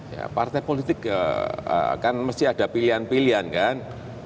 ya partai politik kan mesti ada pilihan pilihan kan